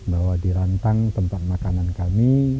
bahwa di rantang tempat makanan kami